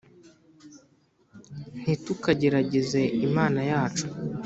Ntitukagerageze imana yacu